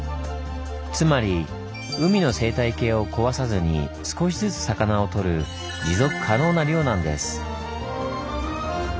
つまり海の生態系を壊さずに少しずつ魚をとる持続可能な漁なんです。